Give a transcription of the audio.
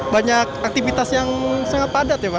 banyak aktivitas yang sangat padat ya pak